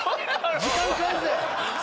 時間返せ。